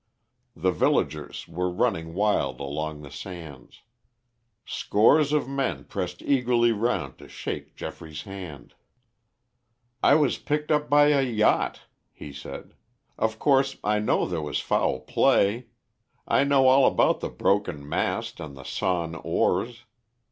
The villagers were running wild along the sands. Scores of men pressed eagerly round to shake Geoffrey's hand. "I was picked up by a yacht," he said. "Of course I know there was foul play. I know all about the broken mast and the sawn oars.